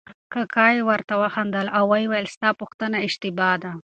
کاکا یې ورته وخندل او ویې ویل چې ستا پوښتنه اشتباه ده.